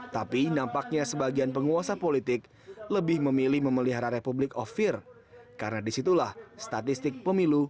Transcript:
tapi nampaknya sebagian penguasa politik lebih memilih memelihara republik of fear karena disitulah statistik pemilu